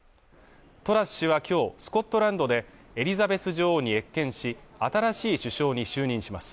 トラス氏は今日スコットランドでエリザベス女王に謁見し新しい首相に就任します